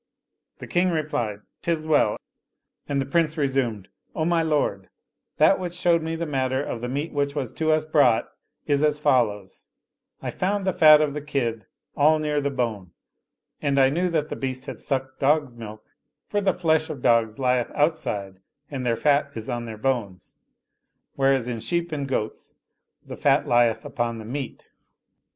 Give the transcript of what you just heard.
" The King replied, " Tis well "; and the Prince re sumed, " O my lord, that which showed me the matter of the meat which was to us brought is as follows : I found the fat of the kid all near by the bone, and I knew that the beast had sucked dog's milk ; for the flesh of dogs lieth outside and their fat is on their bones, whereas in sheep and goats the fat lieth upon the meat.